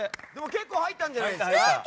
結構入ったんじゃないですか？